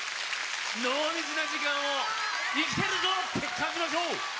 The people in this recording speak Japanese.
濃密な時間を生きてるぞって感じましょう！